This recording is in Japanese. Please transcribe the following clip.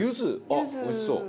あっおいしそう。